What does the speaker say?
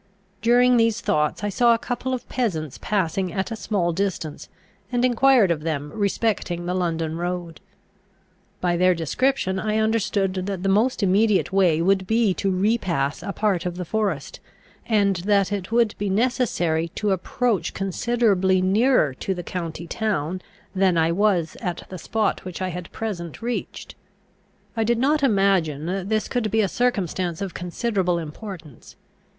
During these thoughts I saw a couple of peasants passing at a small distance, and enquired of them respecting the London road. By their description I understood that the most immediate way would be to repass a part of the forest, and that it would be necessary to approach considerably nearer to the county town than I was at the spot which I had at present reached. I did not imagine that this could be a circumstance of considerable importance.